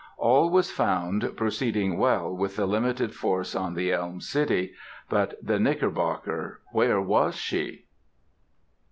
All was found proceeding well with the limited force on the Elm City; but the Knickerbocker, where was she?